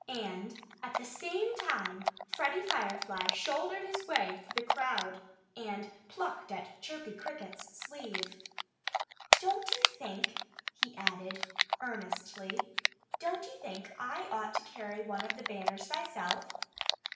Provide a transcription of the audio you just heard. And at the same time Freddie Firefly shouldered his way through the crowd and plucked at Chirpy Cricket's sleeve. "Don't you think " he asked earnestly "don't you think I ought to carry one of the banners myself?"